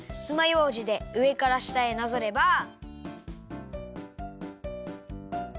つまようじでうえからしたへなぞれば。